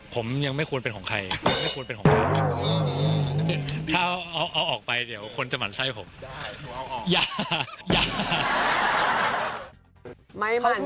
ผมยังไม่ควรเป็นของใครถ้าเอาออกไปเดี๋ยวคนจะหมั่นไส้ผมอย่าไม่หมั่นไส้